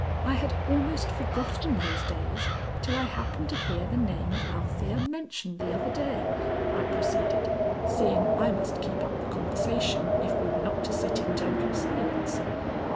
"I had almost forgotten those days till I happened to hear the name of Althea mentioned the other day," I proceeded, seeing I must keep up the conversation if we were not to sit in total silence.